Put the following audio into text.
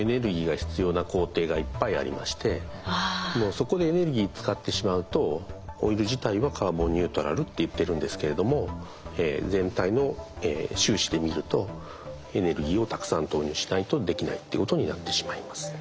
そこでエネルギー使ってしまうとオイル自体はカーボンニュートラルって言ってるんですけれども全体の収支で見るとエネルギーをたくさん投入しないとできないということになってしまいます。